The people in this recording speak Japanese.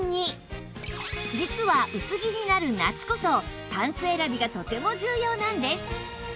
実は薄着になる夏こそパンツ選びがとても重要なんです